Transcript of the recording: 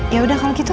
yaudah kalau gitu